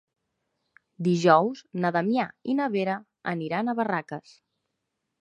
Dijous na Damià i na Vera aniran a Barraques.